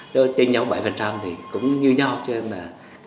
để sang cái nghề này để học